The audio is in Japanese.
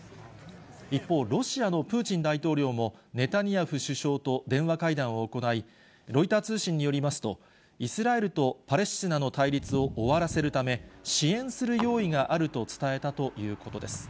一方、ロシアのプーチン大統領も、ネタニヤフ首相と電話会談を行い、ロイター通信によりますと、イスラエルとパレスチナの対立を終わらせるため、支援する用意があると伝えたということです。